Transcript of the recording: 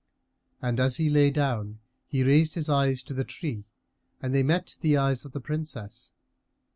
As he lay down, he raised his eyes to the tree and they met the eyes of the Princess.